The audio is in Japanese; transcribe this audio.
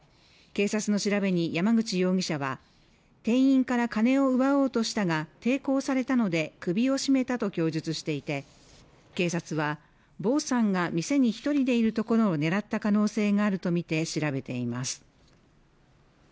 警察の調べに山口容疑者は店員から金を奪おうとしたが抵抗されたので首を絞めたと供述していて警察はヴォさんが店に一人でいるところを狙った可能性があるとみて調べています